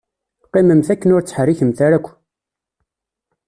Qqimemt akken ur ttḥerrikemt ara akk.